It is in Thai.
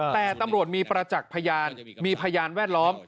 แต่ตำรวจมีประจักษ์พยานมีพยานแวดล้อม